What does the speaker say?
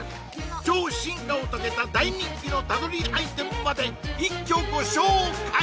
超進化を遂げた大人気の他撮りアイテムまで一挙ご紹介！